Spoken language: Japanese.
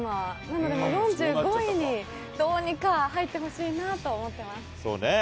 なので４５位にどうにか入ってほしいなと思ってます。